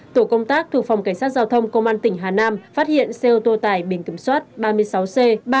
tổ công tác thuộc phòng cảnh sát giao thông công an tỉnh hà nam phát hiện xe ô tô tải biển cẩm soát ba mươi sáu c ba mươi hai nghìn bốn trăm ba mươi tám